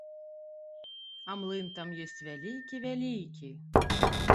А млын там ёсць вялікі, вялікі!